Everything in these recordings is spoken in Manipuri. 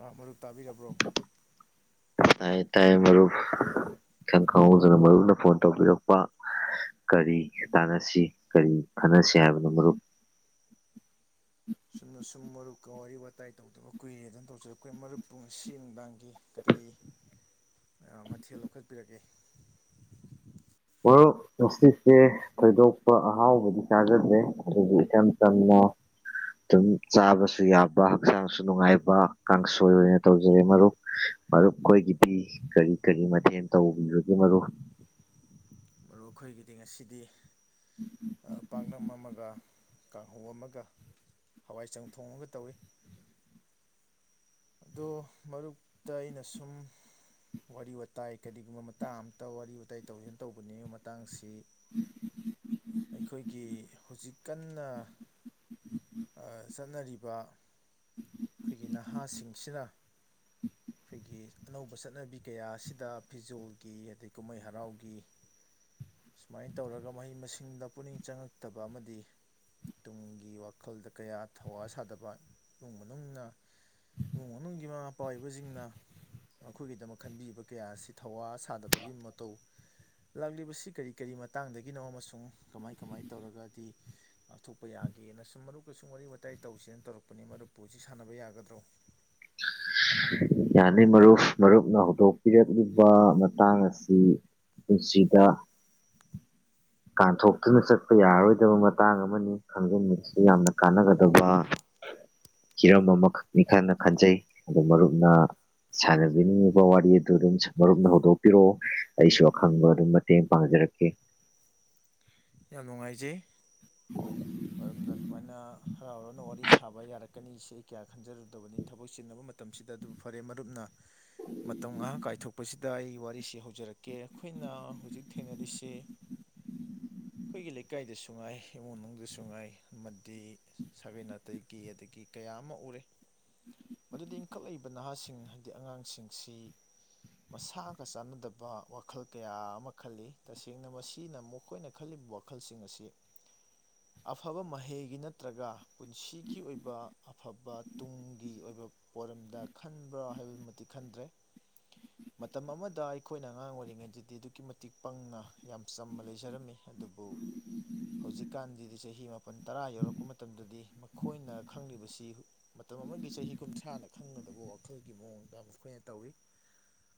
ꯑꯥ ꯃꯨꯞ ꯇꯥꯕꯤꯔꯕ꯭ꯔꯣ ꯇꯥꯏ ꯇꯥꯏꯌꯦ ꯃꯔꯨꯞ ꯏꯈꯪ ꯈꯪꯍꯧꯗꯅ ꯃꯔꯨꯞꯅ ꯐꯣꯟ ꯇꯧꯕꯤꯔꯛꯄ ꯀꯔꯤ ꯇꯥꯟꯅꯁꯤ ꯀꯔꯤ ꯈꯟꯅꯁꯤ ꯍꯥꯏꯕꯅꯣ ꯃꯔꯨꯞ ꯁꯨꯝꯅ ꯁꯨꯝ ꯃꯔꯨꯞꯀ ꯋꯥꯔꯤ ꯋꯥꯇꯥꯏ ꯇꯧꯗꯕ ꯀꯨꯏꯔꯦ ꯑꯗꯨꯝ ꯇꯧꯖꯔ ꯀꯨꯏ ꯃꯔꯨꯞ ꯄꯨ ꯁꯤ ꯅꯨꯡꯗꯥꯡꯒꯤ ꯀꯔꯤ ꯀꯔꯤ ꯃꯊꯦꯜ ꯂꯧꯈꯠꯄꯤꯔꯛꯀꯦ ꯃꯔꯨꯞ ꯑꯁꯤꯁꯤꯁꯦ ꯊꯣꯏꯗꯣꯛꯄ ꯑꯍꯥꯎꯕꯗꯤ ꯆꯥꯖꯗ꯭ꯔꯦ ꯑꯗꯨꯕꯨ ꯏꯆꯝ ꯆꯝꯅ ꯑꯗꯨꯝ ꯆꯥꯕꯁꯨ ꯌꯥꯕ ꯍꯛꯆꯥꯡꯁꯨ ꯅꯨꯡꯉꯥꯏꯕ ꯀꯥꯡꯁꯣꯏ ꯑꯣꯏꯅ ꯇꯧꯖꯔꯦ ꯃꯔꯨꯞ ꯃꯔꯨꯞ ꯑꯩꯈꯣꯏꯒꯤꯗꯤ ꯀꯔꯤ ꯀꯔꯤ ꯃꯊꯦꯜ ꯇꯧꯕꯤꯕꯒꯦ ꯃꯔꯨꯞ ꯑꯗꯣ ꯑꯩꯈꯣꯏꯒꯤꯗꯤ ꯉꯁꯤꯗꯤ ꯄꯥꯛꯅꯝ ꯑꯃꯒ ꯀꯥꯡꯍꯧ ꯑꯃꯒ ꯍꯋꯥꯏ ꯆꯪ ꯊꯣꯡꯉꯒ ꯇꯧꯏꯤ ꯑꯗꯣ ꯃꯔꯛꯇ ꯑꯩꯅ ꯁꯨꯝ ꯋꯥꯔꯤ ꯋꯥꯇꯥꯏ ꯀꯔꯤꯒꯨꯝꯕ ꯃꯇꯥꯡ ꯑꯇ ꯋꯥꯔꯤ ꯋꯥꯋꯇꯥꯏ ꯇꯧꯁꯤꯅ ꯇꯧꯕꯅꯦ ꯃꯇꯥꯡꯁꯤ ꯑꯩꯈꯣꯏꯒꯤ ꯍꯧꯖꯤꯛ ꯀꯟꯅ ꯑ ꯆꯠꯅꯔꯤꯕ ꯑꯩꯈꯣꯏꯒꯤ ꯅꯍꯥꯁꯤꯡ ꯑꯁꯤꯅ ꯑꯩꯈꯣꯏꯒꯤ ꯑꯅꯧꯕ ꯆꯠꯅꯕꯤ ꯀꯌꯥ ꯑꯁꯤꯗ ꯐꯤꯖꯣꯜꯒꯤ ꯑꯗꯩ ꯀꯨꯝꯍꯩ ꯍꯔꯥꯎꯒꯤ ꯁꯨꯃꯥꯏꯅ ꯇꯧꯔꯒ ꯃꯍꯩ ꯃꯁꯤꯡꯗ ꯄꯨꯛꯅꯤꯡ ꯆꯪꯉꯛꯇꯕ ꯑꯃꯗꯤ ꯇꯨꯡꯒꯤ ꯋꯥꯈꯜꯗ ꯀꯌꯥ ꯊꯧꯋꯥ ꯁꯥꯗꯕ ꯏꯃꯨꯡ ꯃꯅꯨꯡꯅ ꯏꯃꯨꯡ ꯃꯅꯨꯡꯒꯤ ꯃꯃꯥ ꯃꯄꯥ ꯑꯣꯏꯕꯁꯤꯡꯅ ꯃꯈꯣꯏꯒꯤꯗꯃꯛ ꯈꯟꯕꯤꯕ ꯀꯌꯥ ꯑꯁꯤ ꯊꯋꯥ ꯁꯥꯗꯕꯒꯤ ꯃꯇꯧ ꯂꯥꯛꯂꯤꯕꯁꯤ ꯀꯔꯤ ꯀꯔꯤ ꯃꯇꯥꯡꯗꯒꯤꯅꯣ ꯑꯃꯁꯨꯡ ꯀꯃꯥꯏ ꯀꯃꯥꯏ ꯇꯧꯔꯒꯗꯤ ꯉꯥꯛꯊꯣꯛꯄ ꯌꯥꯒꯦꯅ ꯁꯨꯝ ꯃꯔꯨꯞꯀ ꯁꯨꯝ ꯋꯥꯔꯤ ꯋꯥꯇꯥꯏ ꯇꯧꯁꯦꯅ ꯇꯧꯔꯛꯄꯅꯤ ꯃꯔꯨꯞꯄꯨꯁꯤ ꯁꯥꯟꯅꯕ ꯌꯥꯒꯗ꯭ꯔꯣ ꯌꯥꯅꯤ ꯃꯔꯨꯞ ꯃꯔꯨꯞꯅ ꯍꯧꯗꯣꯛꯄꯤꯔꯛꯂꯤꯕ ꯃꯇꯥꯡ ꯑꯁꯤ ꯄꯨꯟꯁꯤꯗ ꯀꯥꯟꯊꯣꯛꯇꯨꯅ ꯆꯠꯄ ꯌꯥꯔꯔꯣꯏꯗꯕ ꯃꯇꯥꯡ ꯑꯃꯅꯤ ꯈꯪꯖꯟꯕꯕꯁꯤ ꯌꯥꯝꯅ ꯀꯥꯟꯅꯒꯗꯕ ꯍꯤꯔꯝ ꯑꯃꯈꯛꯅꯤ ꯈꯅ ꯈꯟꯖꯩ ꯑ ꯃꯔꯨꯞꯅ ꯁꯥꯟꯅꯕꯤꯅꯤꯡꯉꯤꯕ ꯋꯥꯔꯤ ꯑꯗꯨ ꯑꯗꯨꯝ ꯃꯔꯨꯞꯅ ꯍꯧꯗꯣꯛꯄꯤꯔꯛꯑꯣ ꯑꯩꯁꯨ ꯑꯈꯪꯕ ꯑꯗꯨꯝ ꯃꯇꯦꯡ ꯄꯥꯡꯖꯔꯛꯀꯦ ꯌꯥꯝ ꯅꯨꯡꯉꯥꯏꯖꯩ ꯃꯔꯝ ꯑꯗꯨꯃꯥꯏꯅ ꯍꯔꯥꯎ ꯍꯔꯥꯎꯅ ꯋꯥꯔꯤ ꯁꯥꯕ ꯌꯥꯔꯛꯀꯅꯤ ꯁꯤ ꯑꯩ ꯀꯌꯥ ꯈꯟꯖꯔꯨꯗꯕꯅꯤ ꯊꯕꯛ ꯆꯤꯟꯅꯕ ꯃꯇꯝꯁꯤꯗ ꯑꯗꯨꯕꯨ ꯐꯔꯦ ꯃꯔꯨꯞꯅ ꯃꯇꯝ ꯉꯥꯏꯍꯥꯛ ꯀꯥꯏꯊꯣꯛꯄꯁꯤꯗ ꯑꯩ ꯋꯥꯔꯤꯁꯤ ꯍꯧꯖꯔꯛꯀꯦ ꯑꯩꯈꯣꯏꯅ ꯍꯧꯖꯤꯛ ꯊꯦꯡꯅꯔꯤꯁꯤ ꯑꯩꯈꯣꯏꯒꯤ ꯂꯩꯀꯥꯏꯗꯁꯨ ꯉꯥꯏ ꯏꯃꯨꯡ ꯃꯅꯨꯡꯗꯁꯨ ꯉꯥꯏ ꯑꯃꯗꯤ ꯁꯥꯒꯦꯟ ꯅꯥꯇꯩꯒꯤ ꯑꯗꯒꯤ ꯀꯌꯥ ꯑꯃ ꯎꯔꯦ ꯃꯗꯨꯗꯤ ꯏꯟꯈꯠꯂꯛꯏꯕ ꯅꯍꯥꯁꯤꯡ ꯍꯥꯏꯗꯤ ꯑꯉꯥꯡꯁꯤꯡꯁꯤ ꯃꯁꯥꯒ ꯆꯥꯟꯅꯗꯕ ꯋꯥꯈꯜ ꯀꯌꯥ ꯑꯃ ꯈꯜꯂꯤ ꯇꯁꯦꯡꯅ ꯃꯁꯤꯅ ꯃꯈꯣꯏꯅ ꯈꯜꯂꯤꯕ ꯋꯥꯈꯜꯁꯤꯡ ꯑꯁꯤ ꯑꯐꯕ ꯃꯍꯩꯒꯤ ꯅꯠꯇ꯭ꯔꯒ ꯄꯨꯟꯁꯤꯒꯤ ꯑꯣꯏꯕ ꯑꯐꯕ ꯇꯨꯡꯒꯤ ꯑꯣꯏꯕ ꯄꯣꯔꯝꯗ ꯈꯟꯕ꯭ꯔꯥ ꯍꯥꯏꯕꯗꯨꯃꯤ ꯈꯟꯗ꯭ꯔꯦ ꯃꯇꯝ ꯑꯃꯗ ꯑꯩꯈꯣꯏꯅ ꯑꯉꯥꯡ ꯑꯣꯏꯔꯤꯉꯩꯗꯗꯤ ꯑꯗꯨꯛꯀꯤ ꯃꯇꯤꯛ ꯄꯪꯅ ꯌꯥꯝ ꯆꯝꯅ ꯂꯩꯖꯔꯝꯃꯤ ꯑꯗꯨꯕꯨ ꯍꯧꯖꯤꯛꯀꯥꯟꯒꯤꯗꯤ ꯆꯍꯤ ꯃꯥꯄꯜ ꯇꯔꯥ ꯌꯧꯔꯛꯄ ꯃꯇꯝꯗꯗꯤ ꯃꯈꯣꯏꯅ ꯈꯪꯂꯤꯕꯁꯤ ꯃꯇꯝ ꯑꯃꯒꯤ ꯆꯍꯤ ꯀꯨꯟꯊ꯭ꯔꯥꯅ ꯈꯪꯒꯗꯕ ꯋꯥꯈꯜꯒꯤ ꯃꯑꯣꯡꯗ ꯃꯈꯣꯏꯅ ꯇꯧꯋꯤ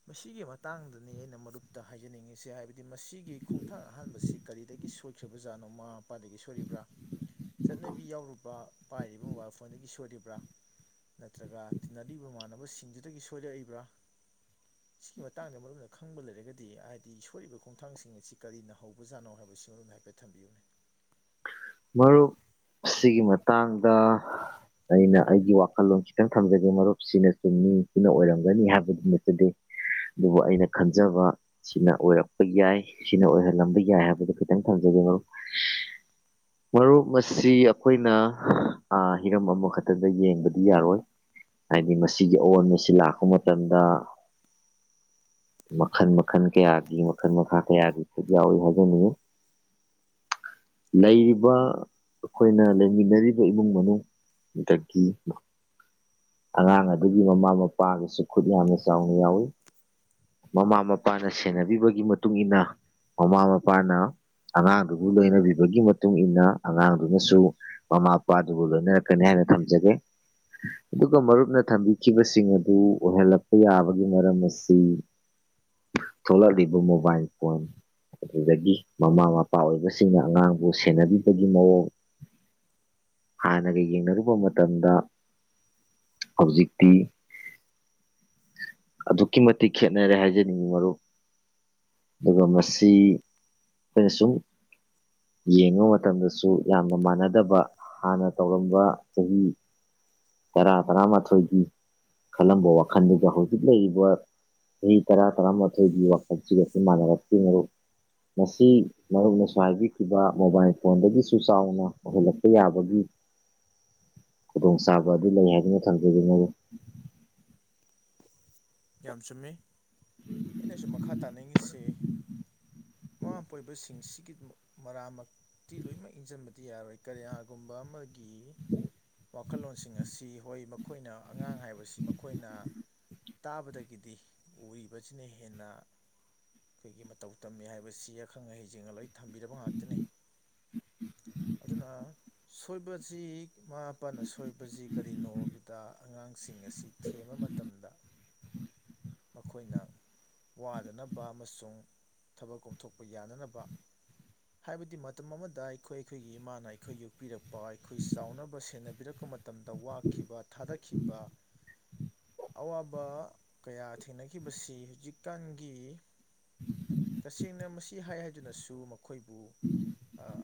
ꯃꯁꯤꯒꯤ ꯃꯇꯥꯡꯗꯅꯤ ꯑꯩꯅ ꯃꯔꯨꯞꯇ ꯍꯥꯏꯖꯅꯤꯡꯉꯤꯁꯦ ꯍꯥꯏꯕꯗꯤ ꯃꯁꯤꯒꯤ ꯈꯣꯡꯊꯥꯡ ꯑꯍꯥꯟꯕꯁꯤ ꯀꯔꯤꯗꯒꯤ ꯁꯣꯏꯈ꯭ꯔꯕꯖꯥꯠꯅꯣ ꯃꯃꯥ ꯃꯄꯥꯗꯒꯤ ꯁꯣꯏꯔꯤꯕ꯭ꯔꯥ ꯆꯠꯅꯕꯤ ꯌꯥꯎꯔꯨꯕ ꯄꯥꯏꯔꯤꯕ ꯃꯣꯕꯥꯏꯜ ꯐꯣꯟꯗꯒꯤ ꯁꯣꯏꯔꯤꯕ꯭ꯔꯥ ꯅꯠꯇ꯭ꯔꯒ ꯇꯤꯟꯅꯔꯤꯕ ꯃꯃꯅꯕꯁꯤꯡꯗꯨꯗꯒꯤ ꯁꯣꯏꯔꯛꯏꯕ꯭ꯔꯥ ꯁꯤꯒꯤ ꯃꯇꯥꯡꯗ ꯃꯔꯨꯞꯅ ꯈꯪꯕ ꯂꯩꯔꯒꯗꯤ ꯍꯥꯏꯗꯤ ꯁꯣꯏꯏꯔꯤꯕ ꯈꯣꯡꯊꯥꯡꯁꯤꯡ ꯑꯁꯤ ꯀꯔꯤꯅ ꯍꯧꯕꯖꯥꯅꯣ ꯥꯟꯅꯕꯝ ꯍꯥꯏꯐꯦꯠ ꯊꯝꯕꯤꯌꯨꯅꯦ ꯃꯔꯨꯞ ꯁꯤꯒꯤ ꯃꯇꯥꯡꯗ ꯑꯩꯅ ꯑꯩꯒꯤ ꯋꯥꯈꯜꯂꯣꯟ ꯈꯤꯇꯪ ꯊꯝꯖꯒꯦ ꯃꯔꯨꯞꯁꯤꯅ ꯆꯨꯝꯃꯤ ꯁꯤꯅ ꯑꯣꯏꯔꯝꯒꯅꯤ ꯍꯥꯏꯕꯗꯨ ꯅꯆꯗꯦ ꯑꯗꯨꯕꯨ ꯑꯩꯅ ꯈꯟꯖꯕ ꯁꯤꯅ ꯑꯣꯏꯔꯛꯄ ꯌꯥꯏ ꯁꯤꯅ ꯑꯣꯏꯍꯜꯂꯝꯕ ꯌꯥꯏ ꯍꯥꯏꯕꯗꯨ ꯈꯤꯇꯪ ꯊꯝꯖꯒꯦ ꯃꯔꯨꯞ ꯃꯔꯨꯞ ꯃꯁꯤ ꯑꯩꯈꯣꯏꯅ ꯍꯤꯔꯝ ꯑꯃꯈꯛꯇꯗ ꯌꯦꯡꯕꯗꯤ ꯌꯥꯔꯣꯏ ꯍꯥꯏꯗꯤ ꯃꯁꯤꯒꯤ ꯑꯑꯣꯟꯕꯁꯤ ꯂꯥꯛꯄ ꯃꯇꯝꯗ ꯃꯈꯜ ꯃꯈꯜ ꯀꯌꯥꯒꯤ ꯃꯈꯜ ꯃꯈꯥ ꯀꯌꯥꯗꯤ ꯈꯨꯠ ꯌꯥꯎꯋꯏ ꯍꯥꯏꯖꯅꯤꯡꯉꯤ ꯂꯩꯔꯤꯕ ꯑꯩꯈꯣꯏꯅ ꯂꯩꯃꯤꯟꯅꯔꯤꯕ ꯏꯃꯨꯡ ꯃꯅꯨꯡ ꯗꯒꯤ ꯑꯉꯥꯡ ꯑꯗꯨꯒꯤ ꯃꯃꯥ ꯃꯄꯥꯒꯤꯁꯨ ꯈꯨꯠ ꯌꯥꯝꯅ ꯆꯥꯎꯅ ꯌꯥꯎꯋꯤ ꯃꯃꯥ ꯃꯄꯥꯅ ꯁꯦꯟꯅꯕꯤꯕꯒꯤ ꯃꯇꯨꯡ ꯏ ꯃꯇꯨꯡꯏꯟꯅ ꯃꯃꯥ ꯃꯄꯥꯅ ꯑꯉꯥꯡꯗꯨꯕꯨ ꯂꯣꯏꯅꯕꯤꯕꯒꯤ ꯃꯇꯨꯡ ꯏ ꯃꯇꯨꯡꯏꯟꯅ ꯑꯉꯥꯡꯗꯨꯅꯁꯨ ꯃꯃꯥ ꯃꯄꯥꯗꯨꯕꯨ ꯂꯣꯏꯅꯔꯛꯀꯅꯤ ꯍꯥꯏꯅ ꯊꯝꯖꯒꯦ ꯑꯗꯨꯒ ꯃꯔꯨꯞꯅ ꯊꯝꯕꯤꯈꯤꯕꯁꯤꯡ ꯑꯗꯨ ꯑꯣꯏꯍꯜꯂꯛꯄ ꯌꯥꯕꯒꯤ ꯃꯔꯝ ꯑꯁꯤ ꯊꯣꯛꯂꯛꯂꯤꯕ ꯃꯣꯕꯥꯏꯜ ꯐꯣꯟ ꯑꯗꯨꯗꯒꯤ ꯃꯃꯥ ꯃꯄꯥ ꯑꯣꯏꯕꯁꯤꯡꯅ ꯑꯉꯥꯡꯕꯨ ꯁꯦꯟꯅꯕꯤꯕꯒꯤ ꯃꯑꯣꯡ ꯍꯥꯟꯅꯒ ꯌꯦꯡꯅꯔꯨꯕ ꯃꯇꯝꯗ ꯍꯧꯖꯤꯛꯇꯤ ꯑꯗꯨꯛꯀꯤ ꯃꯇꯤꯛ ꯈꯦꯅꯔꯦ ꯍꯥꯏꯖꯅꯤꯡꯉꯤ ꯃꯔꯨꯞ ꯑꯗꯨꯒ ꯃꯁꯤ ꯑꯩꯈꯣꯏꯅ ꯁꯨꯝ ꯌꯦꯡꯕ ꯃꯇꯝꯗꯁꯨ ꯌꯥꯝꯅ ꯃꯥꯟꯅꯗꯕ ꯍꯥꯟꯅ ꯇꯧꯔꯝꯕ ꯆꯍꯤ ꯇꯔꯥ ꯇꯔꯥꯃꯥꯊꯣꯏꯒꯤ ꯈꯜꯂꯝꯕ ꯋꯥꯈꯜꯗꯨꯗ ꯍꯧꯖꯤꯛ ꯂꯩꯔꯤꯕ ꯆꯍꯤ ꯇꯔꯥ ꯇꯔꯥꯃꯥꯊꯣꯏꯒꯤ ꯋꯥꯈꯜꯁꯤꯒ ꯏꯃꯥꯟꯅꯔꯛꯄꯤ ꯉꯨ ꯉꯁꯤ ꯃꯔꯨꯞꯅꯁꯨ ꯍꯥꯏꯕꯤꯈꯤꯕ ꯃꯣꯕꯥꯏꯜ ꯐꯣꯟꯗꯒꯤꯁꯨ ꯆꯥꯎꯅ ꯑꯣꯏꯍꯜꯂꯛꯄ ꯌꯥꯕꯒꯤ ꯈꯨꯗꯣꯡꯆꯥꯕ ꯑꯗꯨ ꯂꯩ ꯍꯥꯏꯗꯨꯅ ꯊꯝꯖꯅꯤꯡꯉꯦ ꯌꯥꯝ ꯆꯨꯝꯃꯤ ꯑꯩꯅꯁꯨ ꯃꯈꯥ ꯇꯥꯅꯤꯡꯉꯁꯤ ꯃꯃꯥꯄꯥꯣꯏꯕꯁꯤꯡꯁꯤꯒꯤ ꯃꯔꯥ ꯇꯤ ꯂꯣꯏ ꯏꯟꯖꯟ ꯗꯤ ꯌꯥꯔꯣꯏ ꯀꯔꯤꯌꯥꯒꯨꯝꯕ ꯑꯃꯒꯤ ꯋꯥꯈꯜꯂꯣꯟꯁꯤꯡ ꯑꯁꯤ ꯍꯣꯏ ꯃꯈꯣꯏꯅ ꯑꯉꯥꯡ ꯍꯥꯏꯕꯁꯤ ꯃꯈꯣꯏꯅ ꯇꯥꯕꯗꯒꯤꯗꯤ ꯎꯔꯤꯕꯁꯤꯅ ꯍꯦꯟꯅ ꯑꯩꯈꯣꯏꯒꯤ ꯃꯇꯧ ꯇꯝꯃꯤ ꯍꯥꯏꯕꯁꯤ ꯑꯈꯪ ꯑꯍꯩꯁꯤꯡꯅ ꯂꯣꯏ ꯊꯝꯕꯤꯔꯕ ꯉꯥꯛꯇꯅꯤ ꯑꯗꯨꯅ ꯁꯣꯏꯕꯕꯁꯤ ꯏꯃꯥ ꯃꯄꯥꯅ ꯁꯣꯏꯕꯁꯤ ꯀꯔꯤꯅꯣꯕꯗ ꯑꯉꯥꯡ ꯁꯤꯡ ꯑꯁꯤ ꯊꯦꯝꯕ ꯃꯇꯝꯗ ꯃꯈꯣꯏꯅ ꯋꯥꯗꯅꯕ ꯑꯃꯁꯨꯡ ꯊꯕꯛ ꯀꯣꯝꯊꯣꯛꯄ ꯌꯥꯅꯅꯕ ꯍꯥꯏꯕꯗꯤ ꯃꯇꯝ ꯑꯃꯗ ꯑꯩꯈꯣꯏ ꯑꯩꯈꯣꯏꯒꯤ ꯏꯃꯥꯅ ꯑꯩꯈꯣꯏ ꯌꯣꯛꯄꯤꯔꯛꯄ ꯑꯩꯈꯣꯏ ꯆꯥꯎꯅꯕ ꯁꯦꯟꯅꯕꯤꯔꯛꯄ ꯃꯇꯝꯗ ꯋꯥꯈꯤꯕ ꯊꯥꯗꯈꯤꯕ ꯑꯋꯥꯕ ꯀꯌꯥ ꯊꯦꯡꯅꯈꯤꯕꯁꯤ ꯍꯧꯖꯤꯛꯀꯥꯟꯒꯤ ꯇꯁꯦꯡꯅ ꯃꯁꯤ ꯍꯥꯏ ꯍꯥꯏꯗꯨꯅꯁꯨ ꯃꯈꯣꯏꯕꯨ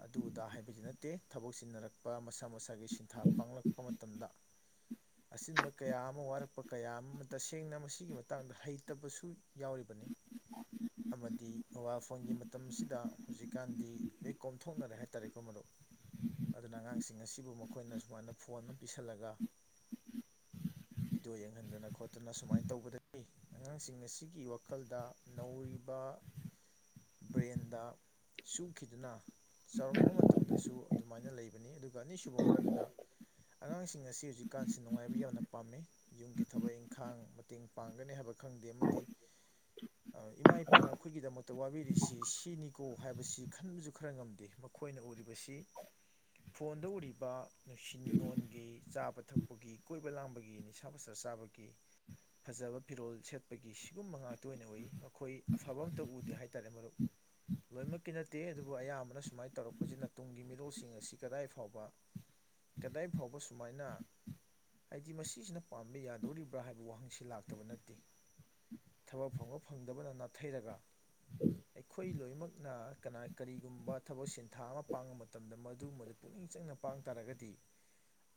ꯑꯗꯨ ꯗꯥ ꯍꯥꯏꯕꯗꯤ ꯅꯠꯇꯦ ꯊꯕꯛ ꯆꯤꯟꯅꯔꯛꯄ ꯃꯁꯥ ꯃꯁꯥꯒꯤ ꯁꯤꯟꯊꯥ ꯄꯥꯡꯂꯛꯄ ꯃꯇꯝꯗ ꯑꯁꯤꯤꯟꯕ ꯀꯌꯥ ꯑꯃ ꯋꯥꯔꯛꯄ ꯀꯌꯥ ꯑꯃ ꯇꯁꯦꯡꯅ ꯃꯁꯤꯒꯤ ꯃꯇꯥꯡꯗ ꯍꯩꯇꯕꯁꯨ ꯌꯥꯎꯔꯤꯕꯅꯤ ꯑꯃꯗꯤ ꯃꯣꯕꯥꯏꯜ ꯐꯣꯟꯒꯤ ꯃꯇꯝꯁꯤꯗ ꯍꯧꯖꯤꯛꯀꯥꯟꯗꯤ ꯂ ꯀꯣꯝꯊꯣꯛꯅꯔꯦ ꯇꯔꯦꯠꯀꯨ ꯃꯔꯣꯛ ꯑꯗꯨꯅ ꯑꯉꯥꯡꯁꯤꯡ ꯑꯁꯤꯕꯨ ꯃꯈꯣꯏꯅ ꯁꯨꯃꯥꯏꯅ ꯐꯣꯟ ꯑꯃ ꯄꯤꯁꯜꯂꯒ ꯚꯤꯗꯤꯑꯣ ꯌꯦꯡꯍꯟꯗꯅ ꯈꯣꯠꯇꯅ ꯁꯨꯃꯥꯏꯅ ꯇꯧꯕꯗꯗꯒꯤ ꯑꯉꯥꯡꯁꯤꯡ ꯑꯁꯤꯒꯤ ꯋꯥꯈꯜꯗ ꯅꯧꯔꯤꯕ ꯕ꯭ꯔꯦꯟꯗ ꯁꯨꯈꯤꯗꯨꯅ ꯆꯥꯎꯔꯛꯂꯕ ꯃꯇꯝꯗꯁꯨ ꯑꯗꯨꯃꯥꯏꯅ ꯂꯩꯕꯅꯤ ꯑꯗꯨꯒ ꯑꯅꯤꯁꯨꯕ ꯃꯔꯝꯗ ꯑꯉꯥꯡꯁꯤꯡ ꯑꯁꯤ ꯍꯧꯖꯤꯛꯀꯥꯟꯁꯤ ꯅꯨꯡꯉꯥꯏꯕ ꯌꯥꯝꯅ ꯄꯥꯝꯃꯤ ꯌꯨꯝꯒꯤ ꯊꯕꯛ ꯏꯪꯈꯥꯡ ꯃꯇꯦꯡ ꯄꯥꯡꯒꯅꯤ ꯍꯥꯏꯕ ꯈꯪꯗꯦ ꯑꯃꯗꯤ ꯏꯃꯥ ꯏꯄꯥꯅ ꯑꯩꯈꯣꯏꯒꯤꯗꯃꯛꯇ ꯋꯥꯕꯤꯔꯤꯁꯤ ꯁꯤꯅꯤꯀꯣ ꯍꯥꯏꯕꯁꯤ ꯈꯟꯕꯁꯨ ꯈꯔ ꯉꯝꯗꯦ ꯃꯈꯣꯏꯅ ꯎꯔꯤꯕꯁꯤ ꯐꯣꯟꯗ ꯎꯔꯤꯕ ꯁꯤ ꯅꯤꯉꯣꯟꯜꯒꯤ ꯆꯥꯕ ꯊꯛꯄꯒꯤ ꯀꯣꯏꯕ ꯂꯥꯡꯕꯒꯤ ꯅꯤꯁꯥ ꯄꯁꯥ ꯆꯥꯕꯒꯤ ꯐꯖꯕ ꯐꯤꯔꯣꯜ ꯁꯦꯠꯄꯒꯤ ꯁꯤꯒꯨꯝꯕ ꯉꯥꯛꯇ ꯑꯣꯏꯅ ꯎꯏ ꯃꯈꯣꯏ ꯑꯐꯕ ꯑꯝꯇ ꯎꯗꯦ ꯍꯥꯏꯇꯥꯔꯦ ꯃꯔꯨꯞ ꯂꯣꯏꯅꯃꯛꯀꯤ ꯅꯠꯇꯦ ꯑꯗꯨꯕꯨ ꯑꯌꯥꯝꯕꯅ ꯁꯨꯃꯥꯏꯅ ꯇꯧꯔꯛꯄꯁꯤꯅ ꯇꯨꯡꯒꯤ ꯃꯤꯔꯣꯜꯁꯤꯡ ꯑꯁꯤ ꯀꯗꯥꯏ ꯐꯥꯎꯕ ꯀꯗꯥꯏ ꯐꯥꯎꯕ ꯁꯨꯃꯥꯏꯅ ꯍꯥꯏꯗꯤ ꯃꯁꯤꯁꯤꯅ ꯄꯥꯝꯕ ꯌꯥꯗꯧꯔꯤꯕ꯭ꯔꯥ ꯍꯥꯏꯕ ꯋꯥꯍꯪꯁꯤ ꯂꯥꯛꯀ ꯕ ꯅꯠꯇꯦ ꯊꯕꯛ ꯐꯪꯕ ꯐꯪꯗꯕꯅ ꯅꯥꯊꯩꯔꯒ ꯑꯩꯈꯣꯏ ꯂꯣꯏꯅꯃꯛꯅ ꯀꯅꯥ ꯀꯔꯤꯒꯨꯝꯕ ꯊꯕꯛ ꯁꯤꯟ ꯊꯥ ꯑꯃ ꯄꯥꯡꯕ ꯃꯇꯝꯗ ꯃꯗꯨ ꯃꯗꯨ ꯄꯨꯛꯅꯤꯡ ꯆꯪꯅ ꯄꯥꯡ ꯇꯥꯔꯒꯗꯤ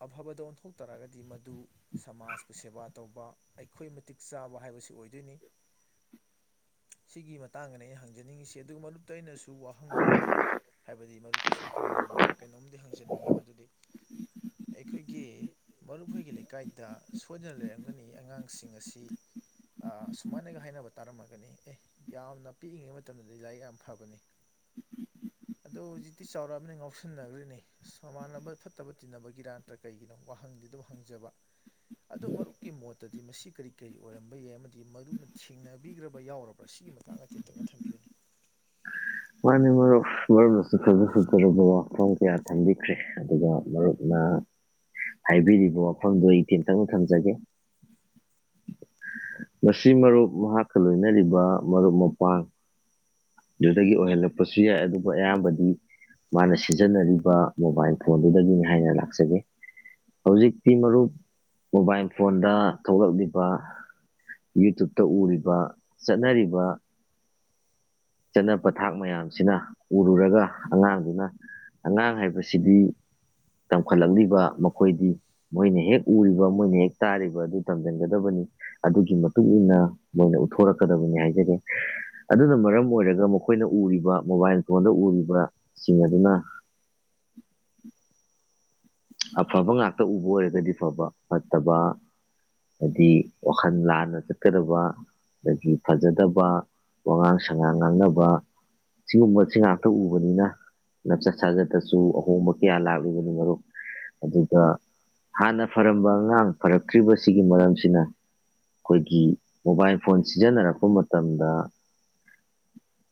ꯑꯐꯕꯗ ꯑꯣꯟꯊꯣꯛ ꯇꯥꯔꯒꯗꯤ ꯃꯗꯨ ꯁꯃꯥꯖꯄꯨ ꯁꯦꯕꯥ ꯇꯧꯕ ꯑꯩꯈꯣꯏ ꯃꯇꯤꯛ ꯆꯥꯕ ꯍꯥꯏꯕꯁꯤ ꯑꯣꯏꯗꯣꯏꯅꯤ ꯁꯤꯒꯤ ꯃꯇꯥꯡꯗꯅꯤ ꯑꯩꯅ ꯍꯪꯖꯅꯤꯡꯉꯁꯤ ꯑꯗꯨꯒ ꯃꯔꯨꯞꯇ ꯑꯩꯅꯁꯨ ꯋꯥꯍꯪ ꯑꯃꯗꯤ ꯍꯥꯏꯕꯗꯤ ꯃꯔ ꯑ ꯁꯨꯝ ꯈꯟꯅꯍꯅꯤꯡꯕ ꯀꯩꯅꯣꯝꯗꯤ ꯍꯪꯅꯤꯡ ꯍꯥꯏꯅꯤꯡꯉꯤ ꯃꯗꯨꯗꯤ ꯑꯩꯈꯣꯏꯒꯤ ꯃꯔꯨꯞꯍꯣꯏꯒꯤ ꯂꯩꯀꯥꯏꯗ ꯁꯣꯏꯗꯅ ꯂꯩꯔꯝꯒꯅꯤ ꯑꯉꯥꯡꯁꯤꯡ ꯑꯁꯤ ꯁꯨꯃꯥꯏꯅꯒ ꯍꯥꯏꯅꯕ ꯇꯥꯔꯝꯃꯒꯅꯤ ꯑꯦ ꯌꯥꯝꯅ ꯄꯤꯛꯏꯉꯩ ꯃꯇꯝꯗꯗꯤ ꯂꯥꯏꯔꯤꯛ ꯌꯥꯝ ꯐꯒꯅꯤ ꯑꯗꯣ ꯍꯧꯖꯤꯛꯇꯤ ꯆꯥꯎꯔꯛꯑꯕꯅꯤ ꯉꯥꯎꯁꯟꯅꯈ꯭ꯔꯤꯅꯤ ꯃꯃꯥꯟꯅꯕ ꯐꯠꯇꯕ ꯇꯤꯟꯅꯕꯒꯤꯔꯥ ꯅꯠꯇ꯭ꯔ ꯀꯩꯒꯤꯅꯣ ꯋꯥꯍꯪꯗꯤ ꯑꯗꯨꯣ ꯍꯪꯖꯕ ꯑꯗꯣ ꯃꯔꯨꯞꯀꯤ ꯃꯣꯠꯇꯗꯤ ꯃꯁꯤ ꯀꯔꯤ ꯀꯔꯤ ꯑꯣꯏꯔꯝꯕ ꯌꯥꯏ ꯑꯃꯗꯤ ꯃꯔꯨꯞꯅ ꯊꯦꯡꯅꯕꯤꯈ꯭ꯔꯕ ꯌꯥꯎꯔꯕ꯭ꯔꯥ ꯁꯤꯒꯤ ꯃꯇꯥꯡꯗ ꯇꯦꯟꯇꯛꯅ ꯊꯝꯕꯤꯌꯨꯅꯤ ꯃꯥꯅꯦ ꯃꯔꯨꯞ ꯃꯔꯨꯞꯅꯁꯨ ꯐꯖ ꯐꯖꯨꯔꯕ ꯋꯥꯐꯝ ꯀꯌꯥ ꯊꯝꯕꯤꯈ꯭ꯔꯦ ꯑꯗꯨꯒ ꯃꯔꯨꯞꯅ ꯍꯥꯏꯕꯤꯔꯤꯕ ꯋꯥꯐꯝꯗꯣ ꯏꯊꯦꯟꯇꯪ ꯊꯝꯖꯒꯦ ꯉꯁꯤ ꯃꯔꯨꯞ ꯃꯍꯥꯛꯀ ꯂꯣꯏꯅꯔꯤꯕ ꯃꯔꯨꯞ ꯃꯄꯥꯡꯗꯨꯗꯒꯤ ꯑꯣꯏꯍꯜꯂꯛꯄꯁꯨ ꯌꯥꯏ ꯑꯗꯨꯕꯨ ꯑꯌꯥꯝꯕꯗꯤ ꯃꯥꯅ ꯁꯤꯖꯤꯟꯅꯔꯤꯕ ꯃꯣꯕꯥꯏꯜ ꯐꯣꯟꯗꯨꯗꯒꯤꯅꯤ ꯍꯥꯏꯅ ꯂꯥꯛꯆꯒꯦ ꯍꯧꯖꯤꯛꯇꯤ ꯃꯔꯨꯞ ꯃꯣꯕꯥꯏꯜ ꯐꯣꯟꯗ ꯊꯣꯛꯂꯛꯂꯤꯕ ꯌꯨꯇ꯭ꯌꯨꯨꯞꯇ ꯎꯔꯤꯕ ꯆꯠꯅꯔꯤꯕ ꯆꯠꯅ ꯄꯊꯥꯛ ꯃꯌꯥꯝꯁꯤꯅ ꯎꯔꯨꯔꯒ ꯑꯉꯥꯡꯗꯨꯅ ꯑꯉꯥꯡ ꯍꯥꯏꯕꯁꯤꯗꯤ ꯇꯝꯈꯠꯂꯛꯂꯤꯕ ꯃꯈꯣꯏꯗꯤ ꯃꯣꯏꯅ ꯍꯦꯛ ꯎꯔꯤꯕ ꯃꯣꯏꯅ ꯍꯦꯛ ꯇꯥꯔꯤꯕ ꯑꯗꯨ ꯇꯝꯁꯤꯟꯒꯗꯕꯅꯤ ꯑꯗꯨꯒꯤ ꯃꯇꯨꯡ ꯏꯟꯅ ꯃꯣꯏꯅ ꯎꯠꯊꯣꯔꯛꯀꯗꯕꯅꯤ ꯍꯥꯏꯖꯒꯦ ꯑꯗꯨꯅ ꯃꯔꯝ ꯑꯣꯏꯔꯒ ꯃꯈꯣꯏꯅ ꯎꯔꯤꯕ ꯃꯣꯕꯥꯏꯜ ꯐꯣꯟꯗ ꯎꯔꯤꯕꯁꯤꯡ ꯑꯗꯨꯅ ꯑꯐꯕ ꯉꯥꯛꯇ ꯎꯕ ꯑꯣꯏꯔꯒꯗꯤ ꯐꯕ ꯐꯠꯇꯕ ꯍꯥꯏꯗꯤ ꯋꯥꯈꯜ ꯂꯥꯟꯅ ꯆꯠꯀꯗꯕ ꯑꯗꯒꯤ ꯐꯖꯗꯕ ꯋꯥꯉꯥꯡ ꯁꯉꯥꯡ ꯉꯥꯡꯅꯕ ꯁꯤꯒꯨꯝꯕꯁꯤ ꯉꯥꯛꯇ ꯎꯕꯅꯤꯅ ꯅꯞꯆꯠ ꯁꯥꯖꯠꯇꯁꯨ ꯑꯍꯣꯡꯕ ꯀꯌꯥ ꯂꯥꯛꯂꯤꯕꯅꯤ ꯃꯔꯨꯞ ꯑꯗꯨꯒ ꯍꯥꯟꯅ ꯐꯔꯝꯕ ꯑꯉꯥꯡ ꯐꯔꯛꯇ꯭ꯔꯤꯕꯁꯤꯒꯤ ꯃꯔꯝꯁꯤꯅ ꯑꯩꯈꯣꯏꯒꯤ ꯃꯣꯕꯥꯏꯜ ꯐꯣꯟ ꯁꯤꯖꯤꯟꯅꯔꯛꯄ ꯃꯇꯝꯗ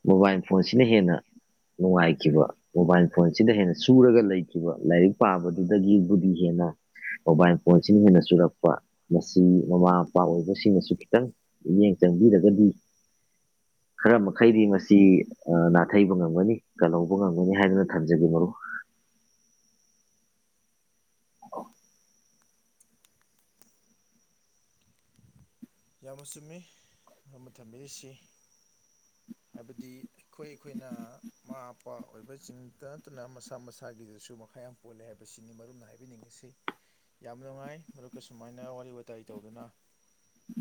ꯃꯣꯕꯥꯏꯜ ꯐꯣꯟꯁꯤꯅ ꯍꯦꯟꯅ ꯅꯨꯡꯉꯥꯏꯈꯤꯕ ꯃꯣꯕꯥꯏꯜ ꯐꯣꯟꯁꯤꯗ ꯍꯦꯟꯅ ꯆꯨꯔꯒ ꯂꯩꯈꯤꯕ ꯂꯥꯏꯔꯤꯛ ꯄꯥꯕꯗꯨꯗꯒꯤꯕꯨꯗꯤ ꯍꯦꯟꯅ ꯃꯣꯕꯥꯏꯜ ꯐꯣꯟꯁꯤꯅ ꯍꯦꯟꯅ ꯆꯨꯔꯛꯄ ꯃꯁꯤ ꯃꯃꯥ ꯃꯄꯥ ꯑꯣꯏꯕꯁꯤꯡꯅꯁꯨ ꯈꯤꯇꯪ ꯃꯤꯠꯌꯦꯡ ꯆꯪꯕꯤꯔꯒꯗꯤ ꯈꯔ ꯃꯈꯩꯗꯤ ꯃꯁꯤ ꯅꯥꯊꯩꯕ ꯉꯝꯒꯅꯤ ꯀꯜꯍꯧꯕ ꯉꯝꯒꯅꯤ ꯍꯥꯏꯗꯅ ꯊꯝꯖꯒꯦ ꯃꯔꯨꯞ ꯎꯀꯣ ꯌꯥꯝꯅ ꯆꯨꯝꯃꯤ ꯃ ꯑꯃ ꯊꯝꯕꯤꯔꯤꯁꯤ ꯍꯥꯏꯕꯗꯤ ꯑꯩꯈꯣꯏ ꯑꯩꯈꯣꯏꯅ ꯃꯥ ꯅꯨꯄꯥ ꯑꯣꯏꯕꯁꯤꯡꯇ ꯅꯠꯇꯅ ꯃꯁꯥ ꯃꯁꯥꯒꯤꯗꯁꯨ ꯃꯈꯥ ꯌꯥꯝ ꯄꯣꯜꯂꯦ ꯍꯥꯏꯕꯁꯤꯅꯤ ꯃꯔꯝꯅ ꯍꯥꯏꯕꯤꯅꯤꯡꯉꯁꯤ ꯌꯥꯝ ꯅꯨꯡꯉꯥꯏ ꯃꯔꯨꯞꯀ ꯁꯨꯃꯥꯏꯅ ꯋꯥꯔꯤ ꯋꯥꯋꯇꯥꯏ ꯇꯧꯗꯨꯅ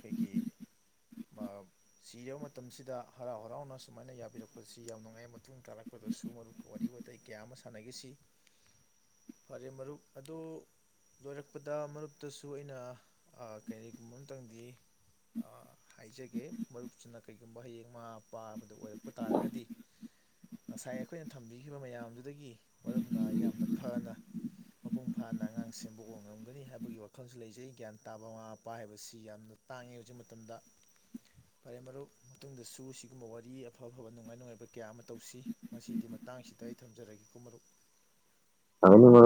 ꯑꯩꯈꯣꯏꯒꯤ ꯁꯤꯔꯕ ꯃꯇꯝꯁꯤꯗ ꯍꯔꯥꯎ ꯍꯔꯥꯎꯅ ꯁꯨꯃꯥꯏꯅ ꯌꯥꯕꯤꯔꯛꯄꯁꯤ ꯌꯥꯝ ꯅꯨꯡꯉꯥꯏ ꯃꯇꯨꯡ ꯇꯥꯔꯛꯄꯗꯁꯨ ꯃꯔꯨꯞꯀ ꯋꯥꯔꯤ ꯋꯥꯇꯥꯏ ꯀꯌꯥ ꯑꯃ ꯁꯥꯟꯅꯈꯤꯁꯤ ꯐꯔꯦ ꯃꯔꯨꯞ ꯑꯗꯨ ꯂꯣꯏꯔꯛꯄꯗ ꯃꯔꯨꯞꯇꯁꯨ ꯑꯩꯅ ꯀꯔꯤꯒꯨꯝꯕ ꯑꯃꯇꯪꯗꯤ ꯍꯥꯏꯖꯒꯦ ꯃꯔꯨꯞꯁꯤꯅ ꯀꯔꯤꯒꯨꯝꯕ ꯍꯌꯦꯡ ꯃꯃꯥ ꯃꯄꯥꯕꯗꯨ ꯑꯣꯏꯔꯛꯄ ꯇꯥꯔꯒꯗꯤ ꯉꯁꯥꯏ ꯑꯩꯈꯣꯏꯅ ꯊꯝꯕꯤꯈꯤꯕ ꯃꯌꯥꯝꯗꯨꯗꯒꯤ ꯃꯔꯨꯞꯅ ꯌꯥꯝꯅ ꯐꯅ ꯃꯄꯨꯡ ꯐꯥꯅ ꯑꯉꯥꯡ ꯁꯦꯝꯕ ꯑꯣꯏ ꯉꯝꯒꯅꯤ ꯍꯥꯏꯕꯒꯤ ꯋꯥꯈꯜꯁꯨ ꯂꯩꯖꯩ ꯒ꯭ꯌꯥꯟ ꯇꯥꯕ ꯃꯃꯥ ꯃꯄꯥ ꯍꯥꯏꯕꯁꯤ ꯌꯥꯝꯅ ꯇꯥꯡꯉꯦ ꯍꯧꯖꯤꯛ ꯃꯇꯝꯗ ꯐꯔꯦ ꯃꯔꯨꯞ ꯃꯇꯨꯡꯗꯁꯨ ꯁꯤꯒꯨꯝꯕ ꯋꯥꯔꯤ ꯑꯐ ꯑꯐꯕ ꯅꯨꯡꯉꯥꯏ ꯅꯨꯡꯉꯥꯏꯕ ꯀꯌꯥ ꯑꯃ ꯇꯧꯁꯤ ꯃꯁꯤꯗꯤ ꯃꯇꯥꯡꯁꯤꯗ ꯑꯩ ꯊꯝꯖꯔꯒꯦꯀꯣ ꯃꯔꯨꯞ ꯑꯩꯅ